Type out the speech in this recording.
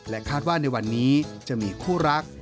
คาดว่าในวันนี้จะมีคู่รัก